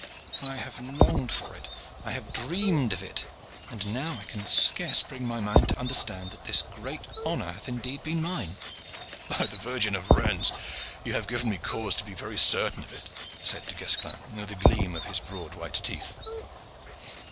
I have longed for it, I have dreamed of it, and now I can scarce bring my mind to understand that this great honor hath indeed been mine." "By the Virgin of Rennes! you have given me cause to be very certain of it," said Du Guesclin, with a gleam of his broad white teeth.